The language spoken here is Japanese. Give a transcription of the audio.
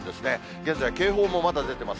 現在、警報もまだ出ています。